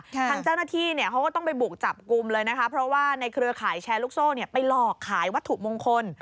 ทางเจ้าหน้าที่เขาก็ต้องไปบุกจับกลุ่มเลยนะคะเพราะว่าในเครือข่ายแชร์ลูกโซ่ไปหลอกขายวัตถุมงคล